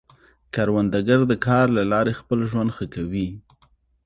کروندګر د کار له لارې خپل ژوند ښه کوي